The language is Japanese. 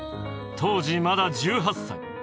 当時まだ１８歳。